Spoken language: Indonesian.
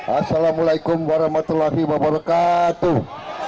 assalamualaikum warahmatullahi wabarakatuh